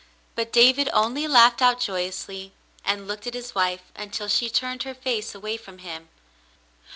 But David only laughed out joyously, and looked at his wife until she turned her face away from him.